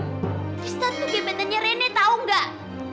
tristan tuh gebetannya rene tau gak